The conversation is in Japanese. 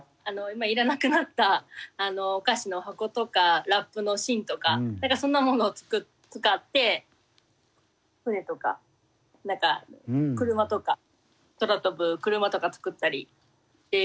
今いらなくなったお菓子の箱とかラップの芯とかそんなものを使って船とか何か車とか空飛ぶ車とか作ったりしていることが多いです。